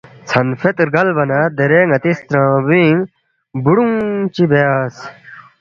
ژھن فید رگالین دیرے ناتی سترنگبوئینگ بوڑونگ چی بیاس